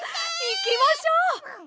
いきましょう！